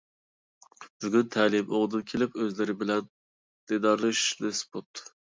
بۈگۈن تەلىيىم ئوڭدىن كېلىپ ئۆزلىرى بىلەن دىدارلىشىش نېسىپ بوپتۇ!